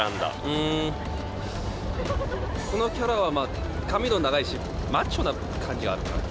うーん、このキャラは、髪も長いし、マッチョな感じがあるから。